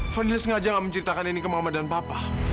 fadil sengaja nggak menceritakan ini ke mama dan papa